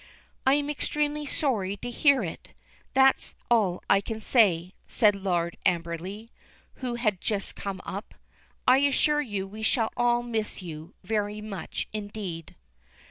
"I am extremely sorry to hear it, that's all I can say," said Lord Amberley, who had just come up. "I assure you we shall all miss you very much indeed."